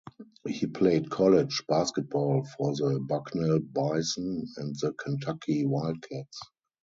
He played college basketball for the Bucknell Bison and the Kentucky Wildcats.